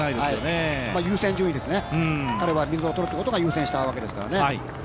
優先順位ですね、あれは水を取ることが優先したわけですからね。